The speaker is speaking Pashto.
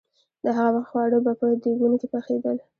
د هغه وخت خواړه به په دېګونو کې پخېدل.